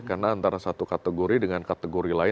karena antara satu kategori dengan kategori lain